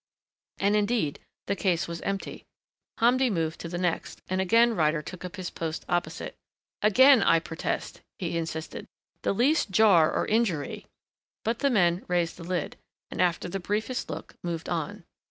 And indeed the case was empty. Hamdi moved to the next and again Ryder took up his post opposite. "Again I protest," he insisted. "The least jar or injury " But the men raised the lid, and after the briefest look, moved on.